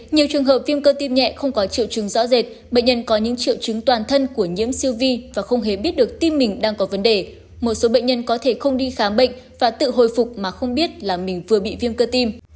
nhiều trường hợp viêm cơ tim nhẹ không có triệu chứng rõ rệt bệnh nhân có những triệu chứng toàn thân của nhiễm siêu vi và không hề biết được tim mình đang có vấn đề một số bệnh nhân có thể không đi khám bệnh và tự hồi phục mà không biết là mình vừa bị viêm cơ tim